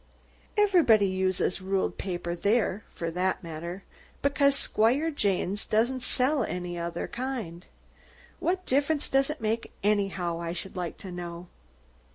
Everybody uses ruled paper there, for that matter, because Squire Jaynes doesn't sell any other kind. What difference does it make, anyhow, I should like to know?